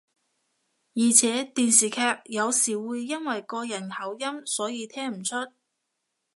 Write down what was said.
而且電視劇有時會因為個人口音所以聽唔出